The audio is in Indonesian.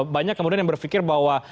banyak kemudian yang berpikir bahwa